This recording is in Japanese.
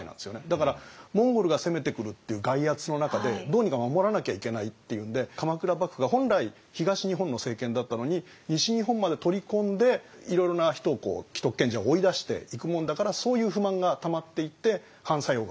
だからモンゴルが攻めてくるっていう外圧の中でどうにか守らなきゃいけないっていうんで鎌倉幕府が本来東日本の政権だったのに西日本まで取り込んでいろいろな人を既得権者を追い出していくもんだからそういう不満がたまっていって反作用が起こるっていう。